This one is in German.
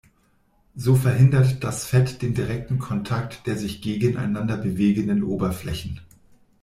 So verhindert das Fett den direkten Kontakt der sich gegeneinander bewegenden Oberflächen.